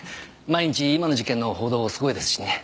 毎日今の事件の報道すごいですしね。